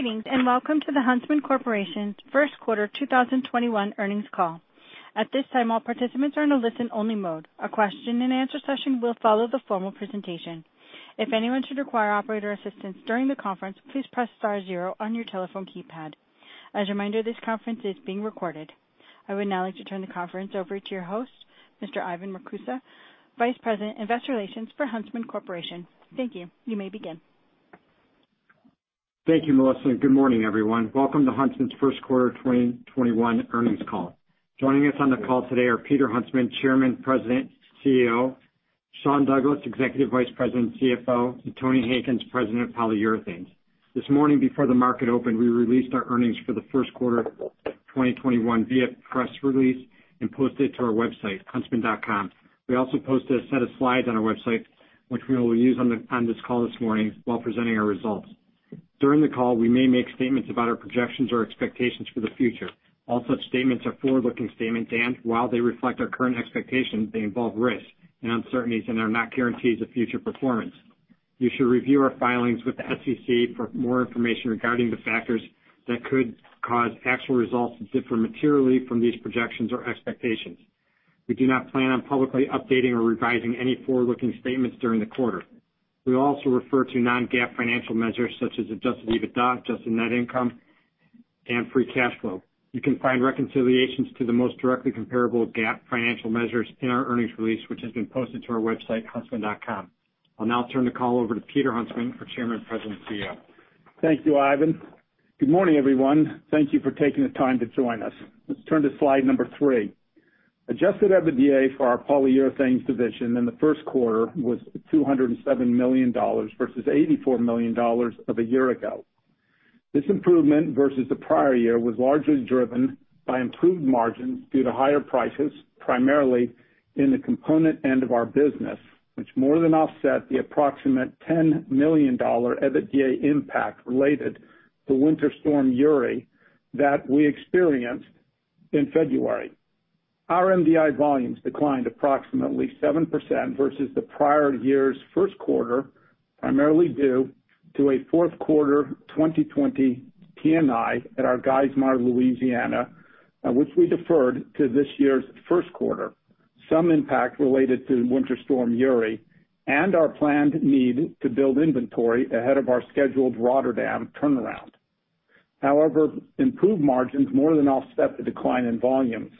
Greetings, welcome to the Huntsman Corporation's first quarter 2021 earnings call. At this time, all participants are in a listen-only mode. A question and answer session will follow the formal presentation. If anyone should require operator assistance during the conference, please press star zero on your telephone keypad. As a reminder, this conference is being recorded. I would now like to turn the conference over to your host, Mr. Ivan Marcuse, Vice President, Investor Relations for Huntsman Corporation. Thank you. You may begin. Thank you, Melissa. Good morning, everyone. Welcome to Huntsman's first quarter 2021 earnings call. Joining us on the call today are Peter Huntsman, Chairman, President, CEO, Sean Douglas, Executive Vice President, CFO, and Tony Hankins, President of Polyurethanes. This morning before the market opened, we released our earnings for the first quarter 2021 via press release and posted it to our website, huntsman.com. We also posted a set of slides on our website, which we will use on this call this morning while presenting our results. During the call, we may make statements about our projections or expectations for the future. All such statements are forward-looking statements, and while they reflect our current expectations, they involve risks and uncertainties and are not guarantees of future performance. You should review our filings with the SEC for more information regarding the factors that could cause actual results to differ materially from these projections or expectations. We do not plan on publicly updating or revising any forward-looking statements during the quarter. We also refer to non-GAAP financial measures such as adjusted EBITDA, adjusted net income, and free cash flow. You can find reconciliations to the most directly comparable GAAP financial measures in our earnings release, which has been posted to our website, huntsman.com. I'll now turn the call over to Peter Huntsman, our Chairman, President, and CEO. Thank you, Ivan. Good morning, everyone. Thank you for taking the time to join us. Let's turn to slide number three. Adjusted EBITDA for our Polyurethanes division in the first quarter was $207 million versus $84 million of a year ago. This improvement versus the prior year was largely driven by improved margins due to higher prices, primarily in the component end of our business, which more than offset the approximate $10 million EBITDA impact related to Winter Storm Uri that we experienced in February. Our MDI volumes declined approximately 7% versus the prior year's first quarter, primarily due to a fourth quarter 2020 T&I at our Geismar, Louisiana, which we deferred to this year's first quarter. Some impact related to Winter Storm Uri and our planned need to build inventory ahead of our scheduled Rotterdam turnaround. Improved margins more than offset the decline in volumes.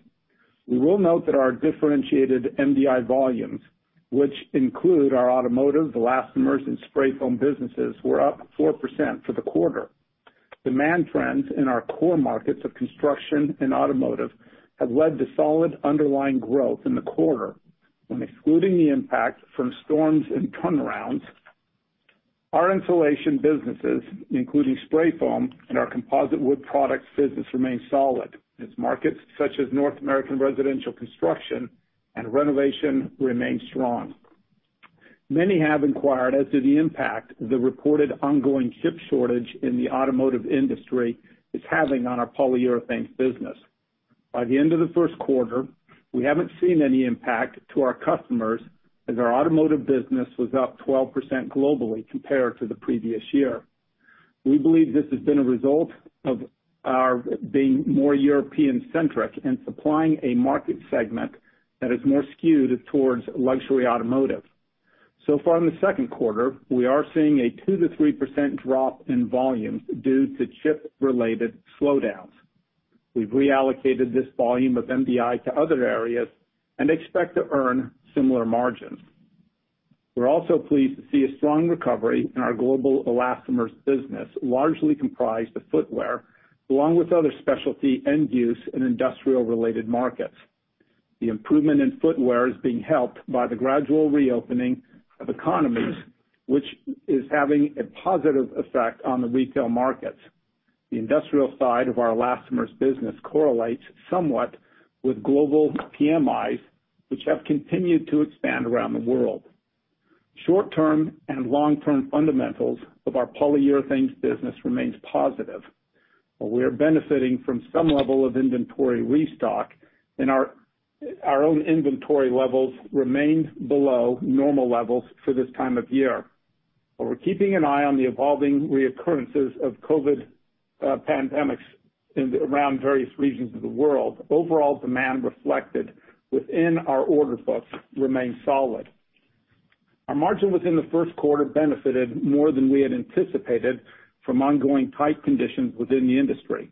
We will note that our differentiated MDI volumes, which include our automotive, elastomers, and spray foam businesses, were up 4% for the quarter. Demand trends in our core markets of construction and automotive have led to solid underlying growth in the quarter when excluding the impact from storms and turnarounds. Our insulation businesses, including spray foam and our composite wood products business, remain solid as markets such as North American residential construction and renovation remain strong. Many have inquired as to the impact the reported ongoing chip shortage in the automotive industry is having on our Polyurethanes business. By the end of the first quarter, we haven't seen any impact to our customers as our automotive business was up 12% globally compared to the previous year. We believe this has been a result of our being more European-centric and supplying a market segment that is more skewed towards luxury automotive. Far in the second quarter, we are seeing a 2%-3% drop in volume due to chip-related slowdowns. We've reallocated this volume of MDI to other areas and expect to earn similar margins. We're also pleased to see a strong recovery in our global elastomers business, largely comprised of footwear, along with other specialty end use and industrial-related markets. The improvement in footwear is being helped by the gradual reopening of economies, which is having a positive effect on the retail markets. The industrial side of our elastomers business correlates somewhat with global PMIs, which have continued to expand around the world. Short-term and long-term fundamentals of our Polyurethanes business remains positive. While we are benefiting from some level of inventory restock and our own inventory levels remain below normal levels for this time of year. While we're keeping an eye on the evolving reoccurrences of COVID pandemics around various regions of the world, overall demand reflected within our order books remains solid. Our margin within the first quarter benefited more than we had anticipated from ongoing tight conditions within the industry.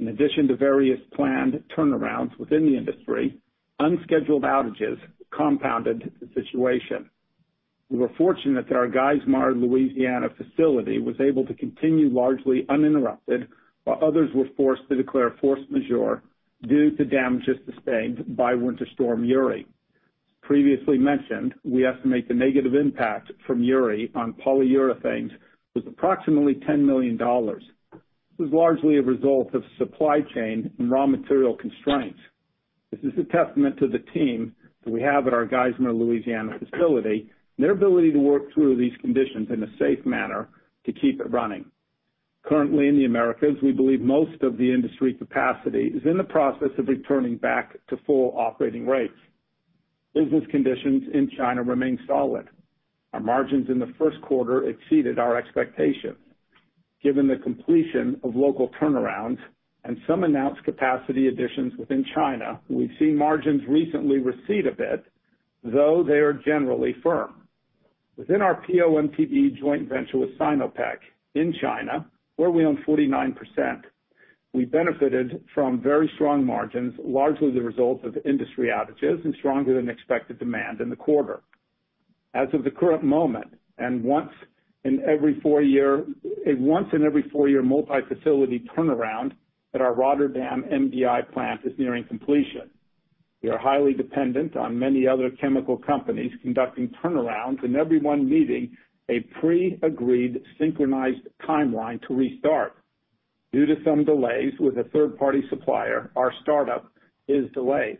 In addition to various planned turnarounds within the industry, unscheduled outages compounded the situation. We were fortunate that our Geismar, Louisiana facility was able to continue largely uninterrupted while others were forced to declare force majeure due to damages sustained by Winter Storm Uri. Previously mentioned, we estimate the negative impact from Uri on polyurethanes was approximately $10 million. This was largely a result of supply chain and raw material constraints. This is a testament to the team that we have at our Geismar, Louisiana facility and their ability to work through these conditions in a safe manner to keep it running. Currently in the Americas, we believe most of the industry capacity is in the process of returning back to full operating rates. Business conditions in China remain solid. Our margins in the first quarter exceeded our expectations. Given the completion of local turnarounds and some announced capacity additions within China, we've seen margins recently recede a bit, though they are generally firm. Within our PO/MTBE joint venture with Sinopec in China, where we own 49%, we benefited from very strong margins, largely the result of industry outages and stronger than expected demand in the quarter. As of the current moment, a once in every four-year multi-facility turnaround at our Rotterdam MDI plant is nearing completion. We are highly dependent on many other chemical companies conducting turnarounds and everyone needing a pre-agreed synchronized timeline to restart. Due to some delays with a third-party supplier, our startup is delayed.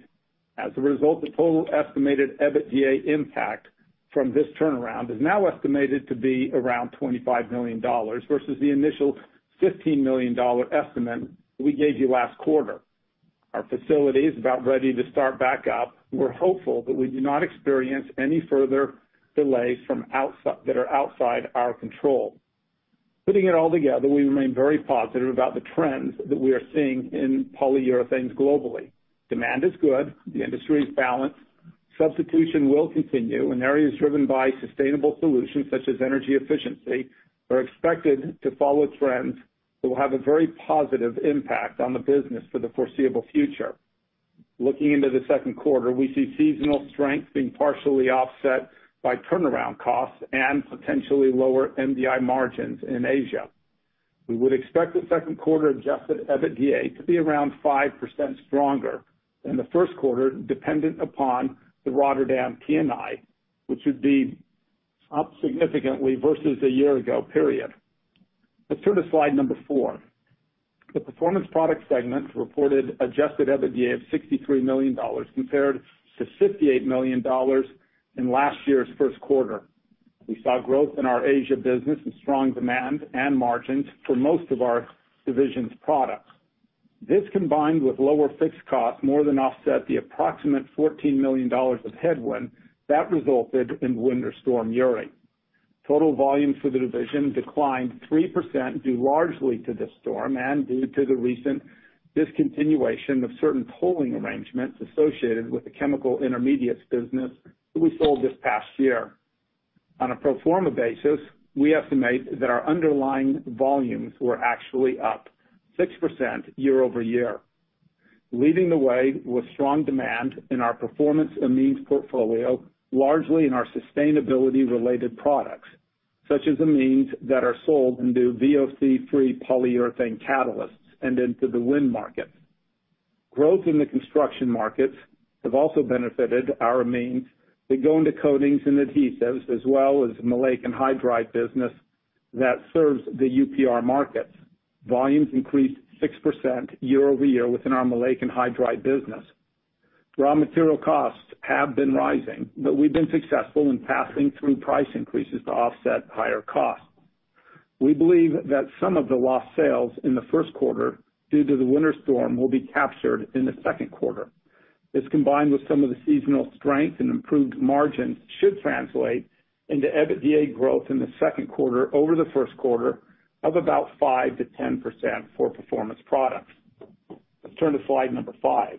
As a result, the total estimated EBITDA impact from this turnaround is now estimated to be around $25 million versus the initial $15 million estimate we gave you last quarter. Our facility is about ready to start back up. We're hopeful that we do not experience any further delays that are outside our control. Putting it all together, we remain very positive about the trends that we are seeing in polyurethanes globally. Demand is good. The industry is balanced. Substitution will continue in areas driven by sustainable solutions such as energy efficiency are expected to follow trends that will have a very positive impact on the business for the foreseeable future. Looking into the second quarter, we see seasonal strength being partially offset by turnaround costs and potentially lower MDI margins in Asia. We would expect the second quarter adjusted EBITDA to be around 5% stronger than the first quarter, dependent upon the Rotterdam T&I, which would be up significantly versus a year-ago period. Let's turn to slide number four. The Performance Products segment reported adjusted EBITDA of $63 million compared to $58 million in last year's first quarter. We saw growth in our Asia business and strong demand and margins for most of our divisions products. This combined with lower fixed costs, more than offset the approximate $14 million of headwind that resulted in Winter Storm Uri. Total volumes for the division declined 3% due largely to this storm and due to the recent discontinuation of certain pooling arrangements associated with the chemical intermediates business that we sold this past year. On a pro forma basis, we estimate that our underlying volumes were actually up 6% year-over-year. Leading the way with strong demand in our performance amines portfolio, largely in our sustainability-related products, such as amines that are sold into VOC-free polyurethane catalysts and into the wind markets. Growth in the construction markets have also benefited our amines that go into coatings and adhesives, as well as maleic anhydride business that serves the UPR markets. Volumes increased 6% year-over-year within our maleic anhydride business. Raw material costs have been rising. We've been successful in passing through price increases to offset higher costs. We believe that some of the lost sales in the first quarter due to the Winter Storm Uri will be captured in the second quarter. This, combined with some of the seasonal strength and improved margins, should translate into EBITDA growth in the second quarter over the first quarter of about 5%-10% for Performance Products. Let's turn to slide number five.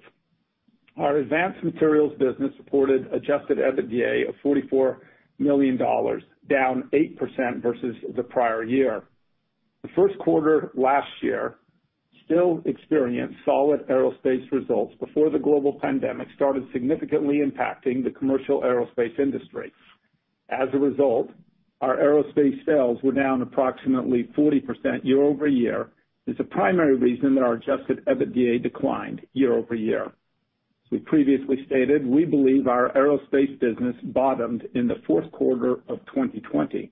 Our Advanced Materials business reported adjusted EBITDA of $44 million, down 8% versus the prior year. The first quarter last year still experienced solid aerospace results before the global pandemic started significantly impacting the commercial aerospace industry. As a result, our aerospace sales were down approximately 40% year-over-year, is the primary reason that our adjusted EBITDA declined year-over-year. We previously stated we believe our aerospace business bottomed in the fourth quarter of 2020.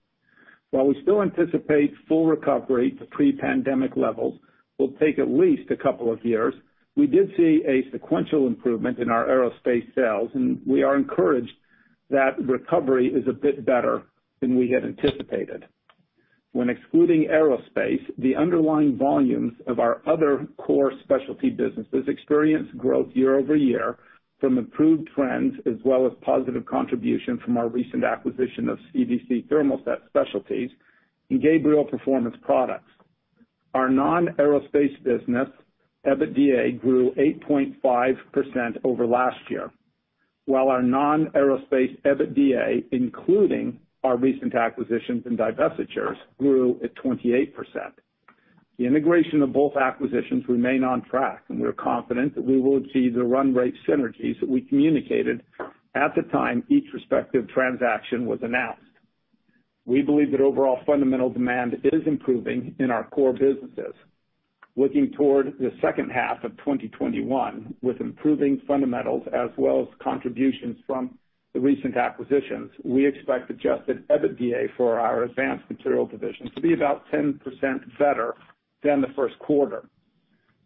While we still anticipate full recovery to pre-pandemic levels will take at least a couple of years, we did see a sequential improvement in our aerospace sales, and we are encouraged that recovery is a bit better than we had anticipated. When excluding aerospace, the underlying volumes of our other core specialty businesses experienced growth year-over-year from improved trends as well as positive contribution from our recent acquisition of CVC Thermoset Specialties and Gabriel Performance Products. Our non-aerospace business EBITDA grew 8.5% over last year, while our non-aerospace EBITDA, including our recent acquisitions and divestitures, grew at 28%. The integration of both acquisitions remain on track, and we are confident that we will achieve the run rate synergies that we communicated at the time each respective transaction was announced. We believe that overall fundamental demand is improving in our core businesses. Looking toward the second half of 2021 with improving fundamentals as well as contributions from the recent acquisitions, we expect adjusted EBITDA for our Advanced Materials division to be about 10% better than the first quarter.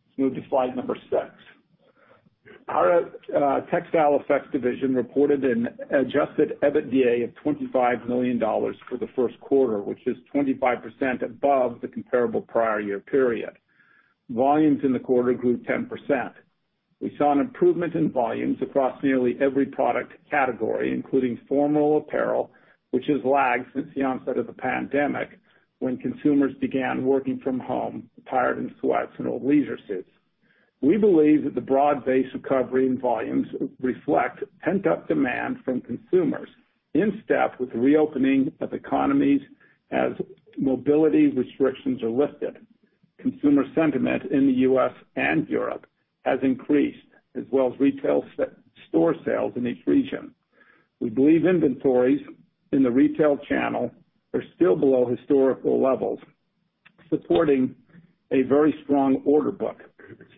Let's move to slide number six. Our Textile Effects division reported an adjusted EBITDA of $25 million for the first quarter, which is 25% above the comparable prior year period. Volumes in the quarter grew 10%. We saw an improvement in volumes across nearly every product category, including formal apparel, which has lagged since the onset of the pandemic when consumers began working from home attired in sweats and athleisure suits. We believe that the broad-based recovery in volumes reflect pent-up demand from consumers in step with the reopening of economies as mobility restrictions are lifted. Consumer sentiment in the U.S. and Europe has increased, as well as retail store sales in each region. We believe inventories in the retail channel are still below historical levels, supporting a very strong order book.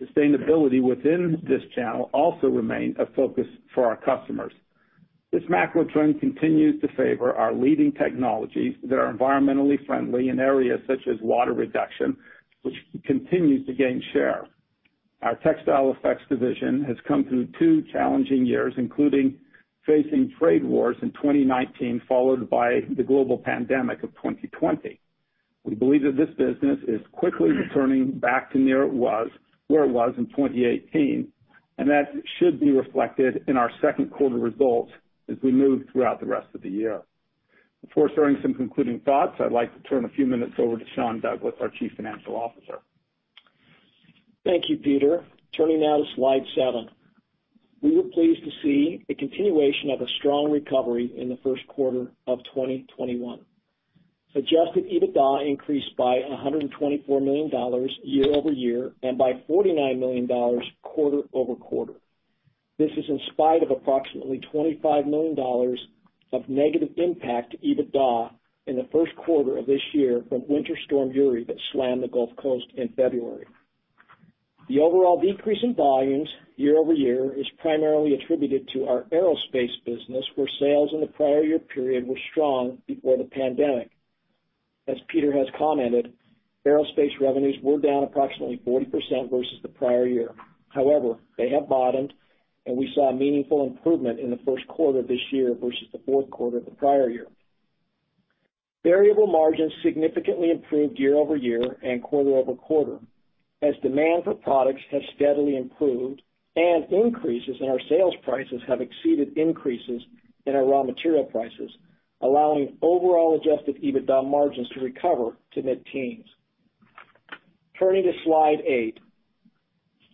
Sustainability within this channel also remains a focus for our customers. This macro trend continues to favor our leading technologies that are environmentally friendly in areas such as water reduction, which continues to gain share. Our Textile Effects division has come through two challenging years, including facing trade wars in 2019, followed by the global pandemic of 2020. We believe that this business is quickly returning back to where it was in 2018, and that should be reflected in our second quarter results as we move throughout the rest of the year. Before sharing some concluding thoughts, I'd like to turn a few minutes over to Sean Douglas, our Chief Financial Officer. Thank you, Peter. Turning now to slide seven. We were pleased to see a continuation of a strong recovery in the first quarter of 2021. Adjusted EBITDA increased by $124 million year-over-year, and by $49 million quarter-over-quarter. This is in spite of approximately $25 million of negative impact to EBITDA in the first quarter of this year from Winter Storm Uri that slammed the Gulf Coast in February. The overall decrease in volumes year-over-year is primarily attributed to our aerospace business, where sales in the prior year period were strong before the pandemic. As Peter has commented, aerospace revenues were down approximately 40% versus the prior year. However, they have bottomed, and we saw a meaningful improvement in the first quarter this year versus the fourth quarter of the prior year. Variable margins significantly improved year-over-year and quarter-over-quarter, as demand for products has steadily improved, and increases in our sales prices have exceeded increases in our raw material prices, allowing overall adjusted EBITDA margins to recover to mid-teens. Turning to slide eight.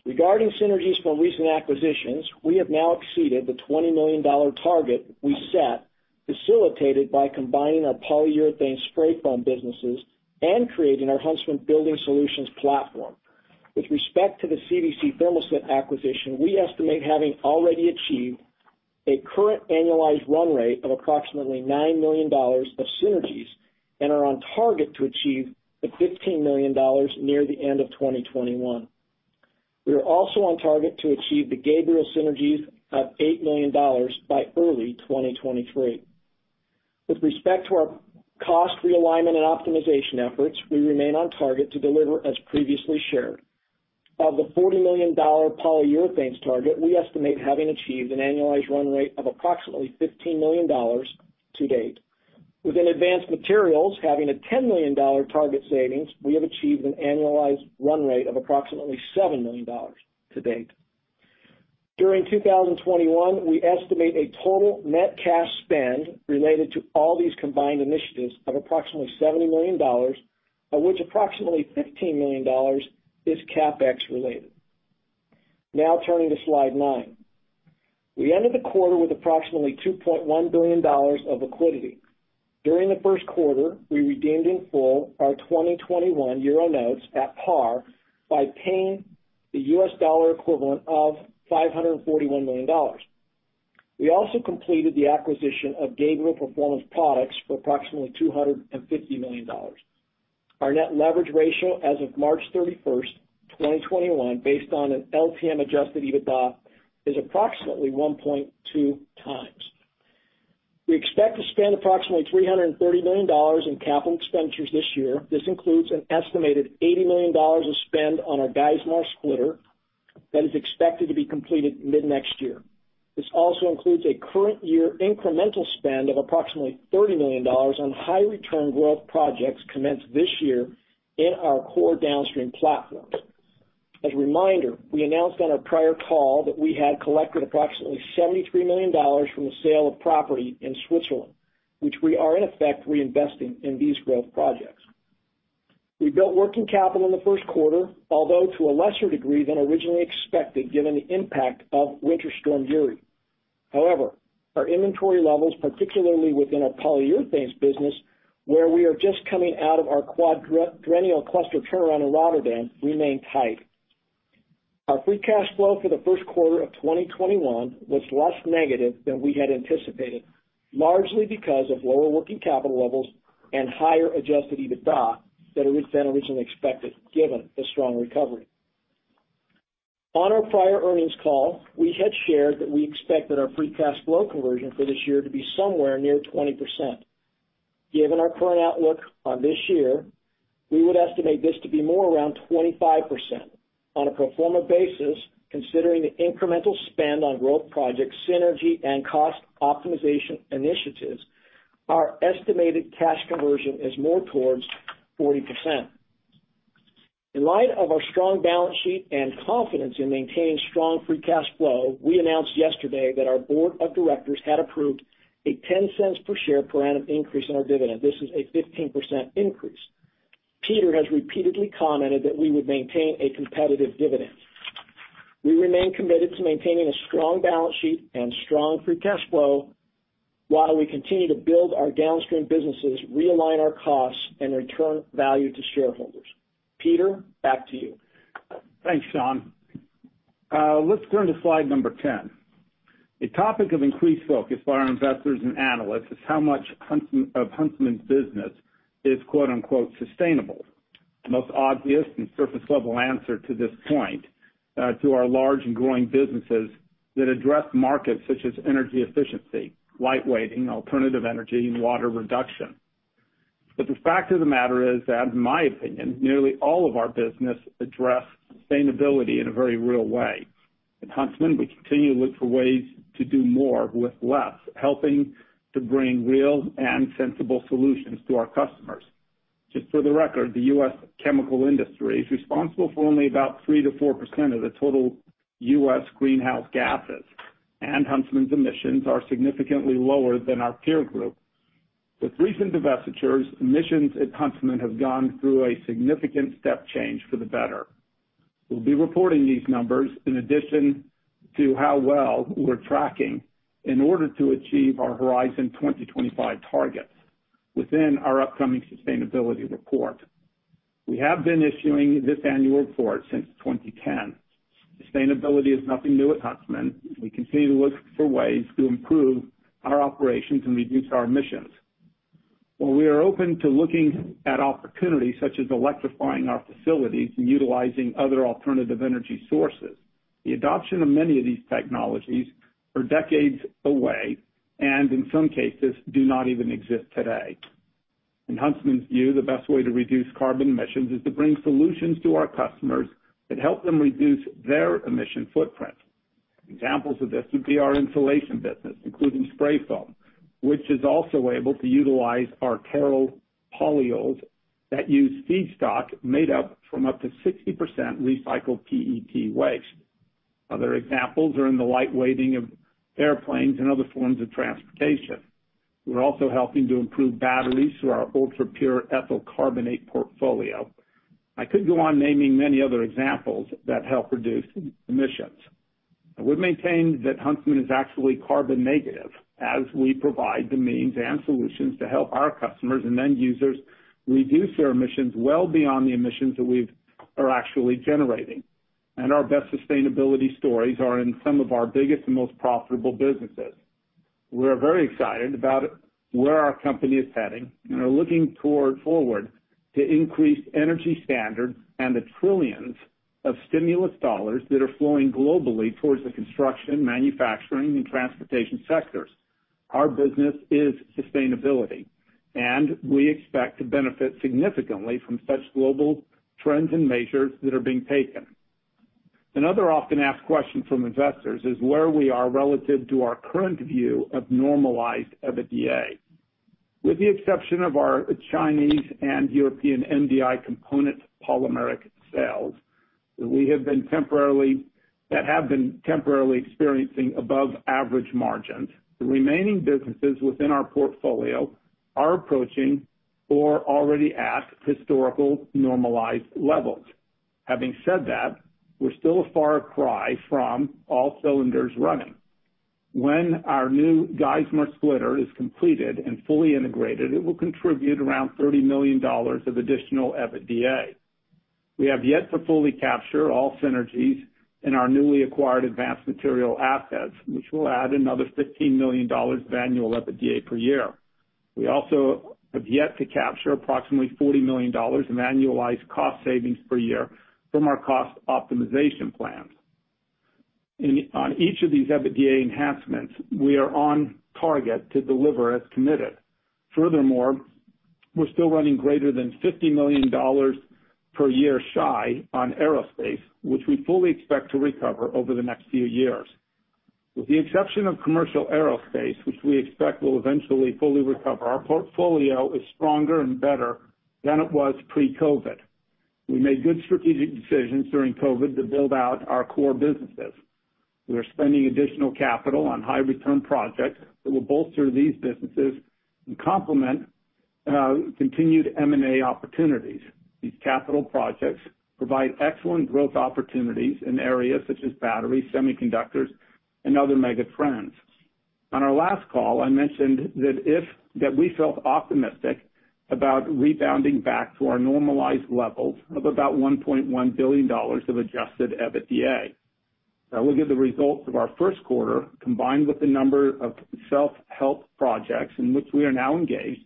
Regarding synergies from recent acquisitions, we have now exceeded the $20 million target we set, facilitated by combining our polyurethane spray foam businesses and creating our Huntsman Building Solutions platform. With respect to the CVC Thermoset acquisition, we estimate having already achieved a current annualized run rate of approximately $9 million of synergies and are on target to achieve the $15 million near the end of 2021. We are also on target to achieve the Gabriel synergies of $8 million by early 2023. With respect to our cost realignment and optimization efforts, we remain on target to deliver as previously shared. Of the $40 million Polyurethanes target, we estimate having achieved an annualized run rate of approximately $15 million to date. Within Advanced Materials, having a $10 million target savings, we have achieved an annualized run rate of approximately $7 million to date. During 2021, we estimate a total net cash spend related to all these combined initiatives of approximately $70 million, of which approximately $15 million is CapEx related. Turning to slide nine. We ended the quarter with approximately $2.1 billion of liquidity. During the first quarter, we redeemed in full our 2021 euro notes at par by paying the U.S. dollar equivalent of $541 million. We also completed the acquisition of Gabriel Performance Products for approximately $250 million. Our net leverage ratio as of March 31st, 2021, based on an LTM adjusted EBITDA, is approximately 1.2x. We expect to spend approximately $330 million in capital expenditures this year. This includes an estimated $80 million of spend on our Geismar splitter that is expected to be completed mid-next year. This also includes a current year incremental spend of approximately $30 million on high return growth projects commenced this year in our core downstream platforms. As a reminder, we announced on our prior call that we had collected approximately $73 million from the sale of property in Switzerland, which we are in effect reinvesting in these growth projects. We built working capital in the first quarter, although to a lesser degree than originally expected, given the impact of Winter Storm Uri. However, our inventory levels, particularly within our Polyurethanes business, where we are just coming out of our quadrennial cluster turnaround in Rotterdam, remain tight. Our free cash flow for the first quarter of 2021 was less negative than we had anticipated, largely because of lower working capital levels and higher adjusted EBITDA than originally expected, given the strong recovery. On our prior earnings call, we had shared that we expected our free cash flow conversion for this year to be somewhere near 20%. Given our current outlook on this year, we would estimate this to be more around 25% on a pro forma basis, considering the incremental spend on growth projects, synergy, and cost optimization initiatives. Our estimated cash conversion is more towards 40%. In light of our strong balance sheet and confidence in maintaining strong free cash flow, we announced yesterday that our board of directors had approved a $0.10 per share per annum increase in our dividend. This is a 15% increase. Peter has repeatedly commented that we would maintain a competitive dividend. We remain committed to maintaining a strong balance sheet and strong free cash flow while we continue to build our downstream businesses, realign our costs, and return value to shareholders. Peter, back to you. Thanks, Sean. Let's turn to slide number 10. A topic of increased focus by our investors and analysts is how much of Huntsman's business is "sustainable." The most obvious and surface-level answer to this point, to our large and growing businesses that address markets such as energy efficiency, lightweighting, alternative energy, and water reduction. The fact of the matter is that, in my opinion, nearly all of our business address sustainability in a very real way. At Huntsman, we continue to look for ways to do more with less, helping to bring real and sensible solutions to our customers. Just for the record, the U.S. chemical industry is responsible for only about 3%-4% of the total U.S. greenhouse gases, and Huntsman's emissions are significantly lower than our peer group. With recent divestitures, emissions at Huntsman have gone through a significant step change for the better. We'll be reporting these numbers in addition to how well we're tracking in order to achieve our Horizon 2025 targets within our upcoming sustainability report. We have been issuing this annual report since 2010. Sustainability is nothing new at Huntsman. We continue to look for ways to improve our operations and reduce our emissions. While we are open to looking at opportunities such as electrifying our facilities and utilizing other alternative energy sources, the adoption of many of these technologies are decades away and, in some cases, do not even exist today. In Huntsman's view, the best way to reduce carbon emissions is to bring solutions to our customers that help them reduce their emission footprint. Examples of this would be our insulation business, including spray foam, which is also able to utilize our TEROL polyols that use feedstock made up from up to 60% recycled PET waste. Other examples are in the lightweighting of airplanes and other forms of transportation. We're also helping to improve batteries through our ultra-pure ethylene carbonate portfolio. I could go on naming many other examples that help reduce emissions. We've maintained that Huntsman is actually carbon negative as we provide the means and solutions to help our customers and end users reduce their emissions well beyond the emissions that we are actually generating. Our best sustainability stories are in some of our biggest and most profitable businesses. We're very excited about where our company is heading and are looking forward to increased energy standards and the trillions of stimulus dollars that are flowing globally towards the construction, manufacturing, and transportation sectors. Our business is sustainability, and we expect to benefit significantly from such global trends and measures that are being taken. Another often asked question from investors is where we are relative to our current view of normalized EBITDA. With the exception of our Chinese and European MDI component polymeric sales that have been temporarily experiencing above average margins, the remaining businesses within our portfolio are approaching or are already at historical normalized levels. Having said that, we're still a far cry from all cylinders running. When our new Geismar splitter is completed and fully integrated, it will contribute around $30 million of additional EBITDA. We have yet to fully capture all synergies in our newly acquired Advanced Materials assets, which will add another $15 million of annual EBITDA per year. We also have yet to capture approximately $40 million in annualized cost savings per year from our cost optimization plans. On each of these EBITDA enhancements, we are on target to deliver as committed. We're still running greater than $50 million per year shy on aerospace, which we fully expect to recover over the next few years. With the exception of commercial aerospace, which we expect will eventually fully recover, our portfolio is stronger and better than it was pre-COVID. We made good strategic decisions during COVID to build out our core businesses. We are spending additional capital on high return projects that will bolster these businesses and complement continued M&A opportunities. These capital projects provide excellent growth opportunities in areas such as batteries, semiconductors, and other mega trends. On our last call, I mentioned that we felt optimistic about rebounding back to our normalized levels of about $1.1 billion of adjusted EBITDA. Looking at the results of our first quarter, combined with the number of self-help projects in which we are now engaged,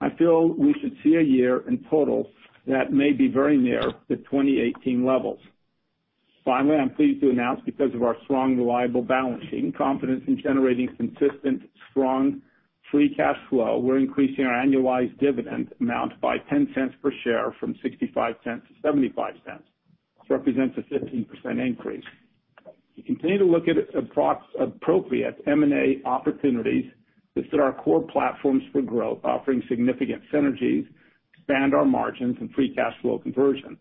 I feel we should see a year in total that may be very near the 2018 levels. I'm pleased to announce because of our strong, reliable balance sheet and confidence in generating consistent, strong free cash flow, we're increasing our annualized dividend amount by $0.10 per share from $0.65-$0.75. This represents a 15% increase. We continue to look at appropriate M&A opportunities to fit our core platforms for growth, offering significant synergies to expand our margins and free cash flow conversions.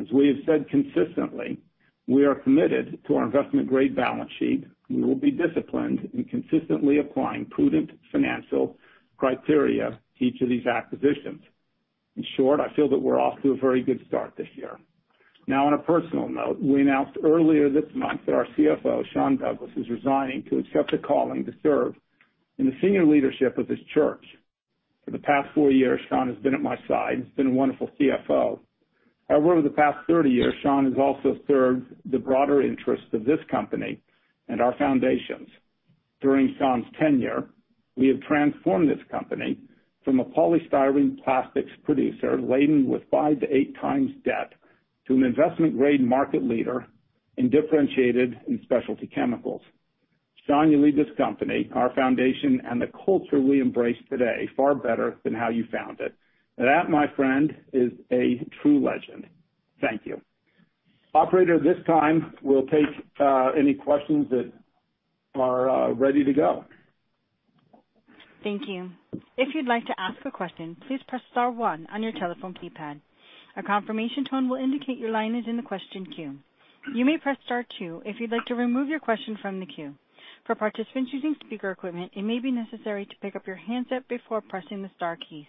As we have said consistently, we are committed to our investment-grade balance sheet, we will be disciplined in consistently applying prudent financial criteria to each of these acquisitions. In short, I feel that we're off to a very good start this year. On a personal note, we announced earlier this month that our CFO, Sean Douglas, is resigning to accept a calling to serve in the senior leadership of his church. For the past four years, Sean has been at my side and has been a wonderful CFO. Over the past 30 years, Sean has also served the broader interests of this company and our foundations. During Sean's tenure, we have transformed this company from a polystyrene plastics producer laden with 5x-8x debt to an investment-grade market leader in differentiated and specialty chemicals. Sean, you leave this company, our foundation, and the culture we embrace today far better than how you found it. That, my friend, is a true legend. Thank you. Operator, at this time, we'll take any questions that are ready to go. Thank you. If you'd like to ask a question, please press star one on your telephone keypad. A confirmation tone will indicate your line is in the question queue. You may press star two if you'd like to remove your question from the queue. For participants using speaker equipment, it may be necessary to pick up your handset before pressing the star keys.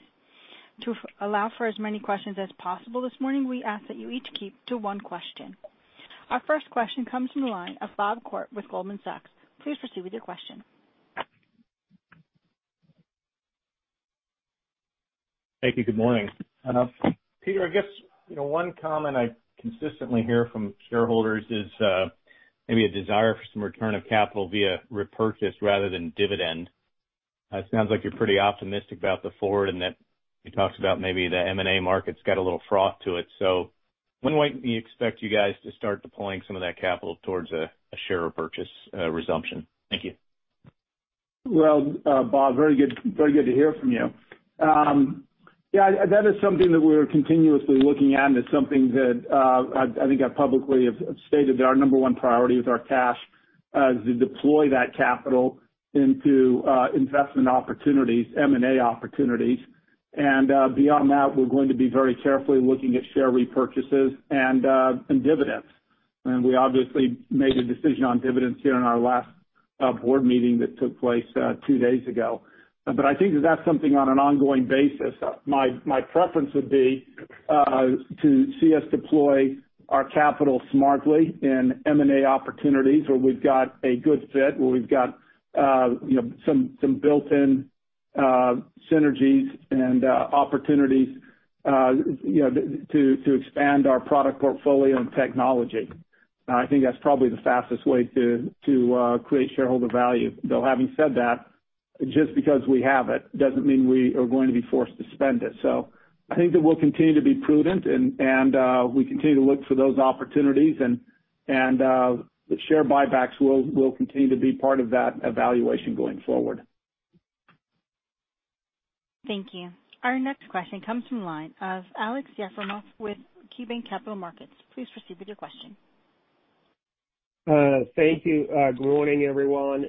To allow for as many questions as possible this morning, we ask that you each keep to one question. Our first question comes from the line of Bob Koort with Goldman Sachs. Please proceed with your question. Thank you. Good morning. Peter, I guess one comment I consistently hear from shareholders is maybe a desire for some return of capital via repurchase rather than dividend. It sounds like you're pretty optimistic about the forward and that you talked about maybe the M&A market's got a little froth to it. When might we expect you guys to start deploying some of that capital towards a share repurchase resumption? Thank you. Well, Bob, very good to hear from you. Yeah, that is something that we're continuously looking at, it's something that I think I publicly have stated that our number one priority with our cash is to deploy that capital into investment opportunities, M&A opportunities. Beyond that, we're going to be very carefully looking at share repurchases and dividends. We obviously made a decision on dividends here in our last board meeting that took place two days ago. I think that that's something on an ongoing basis. My preference would be to see us deploy our capital smartly in M&A opportunities where we've got a good fit, where we've got some built-in synergies and opportunities to expand our product portfolio and technology. I think that's probably the fastest way to create shareholder value, though having said that, just because we have it doesn't mean we are going to be forced to spend it. I think that we'll continue to be prudent, and we continue to look for those opportunities, and the share buybacks will continue to be part of that evaluation going forward. Thank you. Our next question comes from the line of Aleksey Yefremov with KeyBanc Capital Markets. Please proceed with your question. Thank you. Good morning, everyone.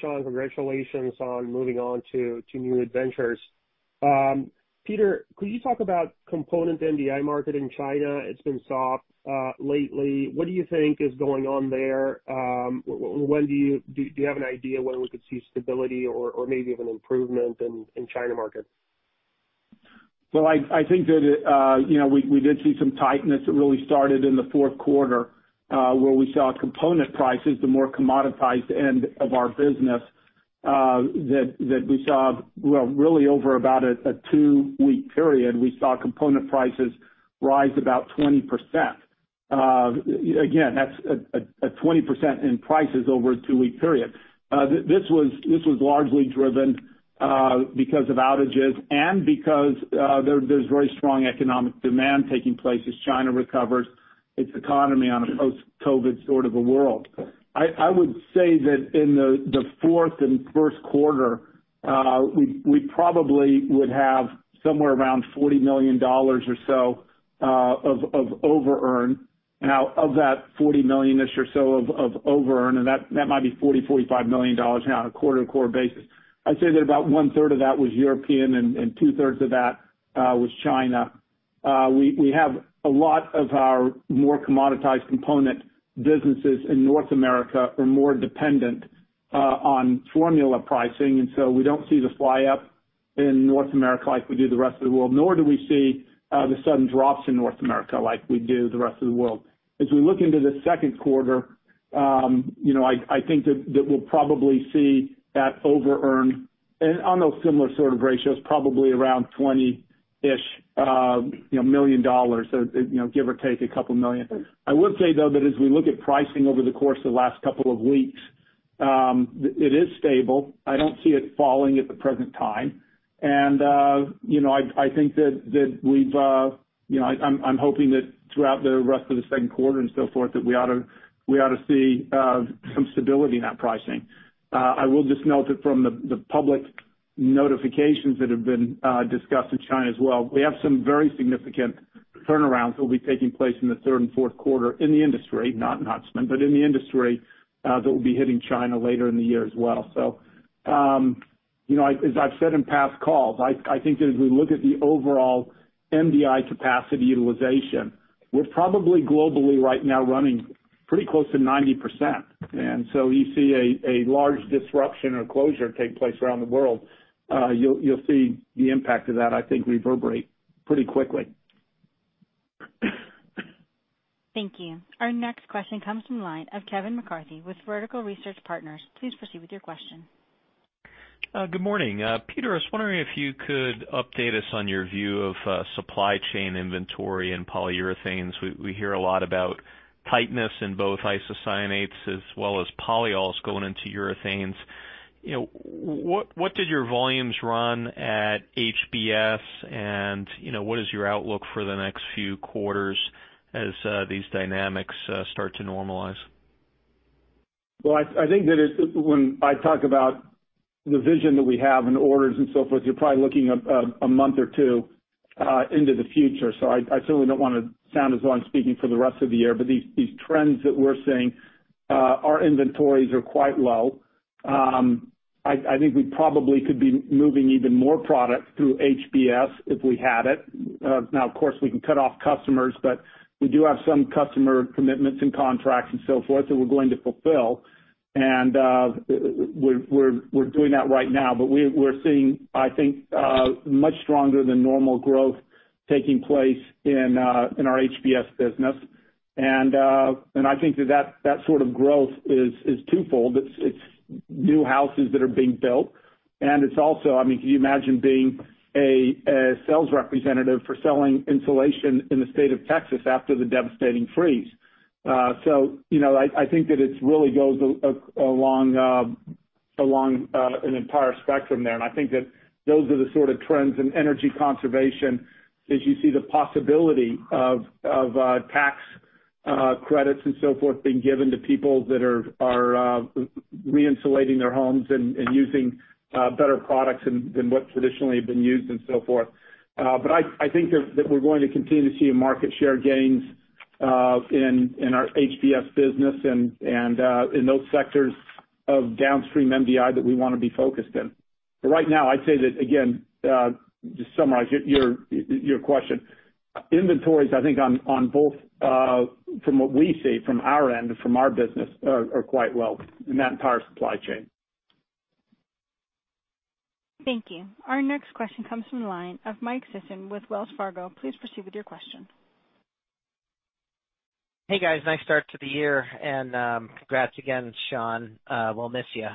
Sean, congratulations on moving on to new adventures. Peter, could you talk about component MDI market in China? It's been soft lately. What do you think is going on there? Do you have an idea when we could see stability or maybe even improvement in China market? Well, I think that we did see some tightness that really started in the fourth quarter, where we saw component prices, the more commoditized end of our business, that we saw really over about a two-week period, we saw component prices rise about 20%. Again, that's a 20% in prices over a two-week period. This was largely driven because of outages and because there's very strong economic demand taking place as China recovers its economy on a post-COVID sort of a world. I would say that in the fourth and first quarter, we probably would have somewhere around $40 million or so of over-earn. Now, of that $40 million-ish or so of over-earn, and that might be $40million, $45 million on a quarter-to-quarter basis. I'd say that about 1/3 of that was European and 2/3 of that was China. We have a lot of our more commoditized component businesses in North America are more dependent on formula pricing, we don't see the fly up in North America like we do the rest of the world, nor do we see the sudden drops in North America like we do the rest of the world. As we look into the second quarter, I think that we'll probably see that over-earn on those similar sort of ratios, probably around $20 million, give or take a couple of million. I would say, though, that as we look at pricing over the course of the last couple of weeks, it is stable. I don't see it falling at the present time. I'm hoping that throughout the rest of the second quarter and so forth, that we ought to see some stability in that pricing. I will just note that from the public notifications that have been discussed in China as well, we have some very significant turnarounds that will be taking place in the third and fourth quarter in the industry, not Huntsman, but in the industry, that will be hitting China later in the year as well. As I've said in past calls, I think that as we look at the overall MDI capacity utilization, we're probably globally right now running pretty close to 90%. You see a large disruption or closure take place around the world, you'll see the impact of that, I think, reverberate pretty quickly. Thank you. Our next question comes from the line of Kevin McCarthy with Vertical Research Partners. Please proceed with your question. Good morning. Peter, I was wondering if you could update us on your view of supply chain inventory and polyurethanes. We hear a lot about tightness in both isocyanates as well as polyols going into urethanes. What did your volumes run at HBS and what is your outlook for the next few quarters as these dynamics start to normalize? Well, I think that when I talk about the vision that we have and orders and so forth, you're probably looking a month or two into the future. I certainly don't want to sound as though I'm speaking for the rest of the year. These trends that we're seeing, our inventories are quite low. I think we probably could be moving even more product through HBS if we had it. Now, of course, we can cut off customers, but we do have some customer commitments and contracts and so forth that we're going to fulfill. We're doing that right now. We're seeing, I think, much stronger than normal growth taking place in our HBS business. I think that sort of growth is twofold. It's new houses that are being built, it's also, can you imagine being a sales representative for selling insulation in the state of Texas after the devastating freeze? I think that it really goes along an entire spectrum there. I think that those are the sort of trends in energy conservation as you see the possibility of tax credits and so forth being given to people that are re-insulating their homes and using better products than what traditionally have been used and so forth. I think that we're going to continue to see market share gains in our HBS business and in those sectors of downstream MDI that we want to be focused in. Right now, I'd say that, again, just to summarize your question, inventories, I think on both from what we see from our end and from our business are quite well in that entire supply chain. Thank you. Our next question comes from the line of Mike Sison with Wells Fargo. Please proceed with your question. Hey, guys. Nice start to the year and congrats again, Sean. We'll miss you.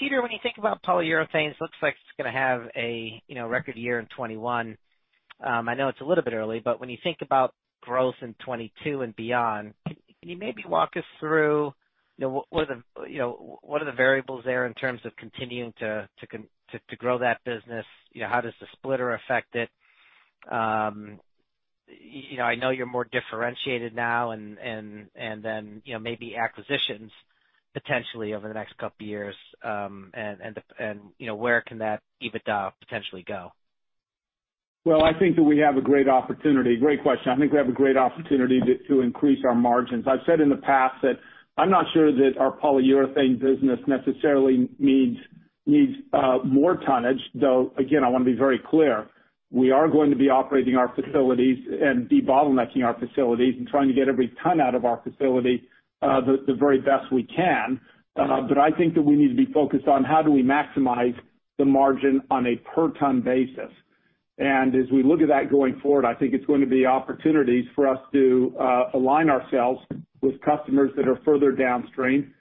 Peter, when you think about Polyurethanes, looks like it's going to have a record year in 2021. I know it's a little bit early, when you think about growth in 2022 and beyond, can you maybe walk us through what are the variables there in terms of continuing to grow that business? How does the splitter affect it? I know you're more differentiated now then maybe acquisitions potentially over the next couple of years, where can that EBITDA potentially go? Well, I think that we have a great opportunity. Great question. I think we have a great opportunity to increase our margins. I've said in the past that I'm not sure that our Polyurethanes business necessarily needs more tonnage, though, again, I want to be very clear. We are going to be operating our facilities and debottlenecking our facilities and trying to get every ton out of our facility the very best we can. I think that we need to be focused on how do we maximize the margin on a per ton basis. As we look at that going forward, I think it's going to be opportunities for us to align ourselves with customers that are further downstream,